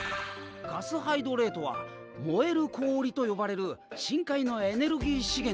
ガスハイドレートは燃える氷と呼ばれる深海のエネルギー資源だよ。